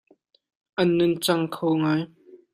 An nungcang kho ngai.